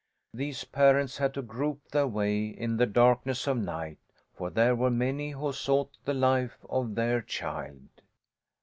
These parents had to grope their way in the darkness of night, for there were many who sought the life of their child.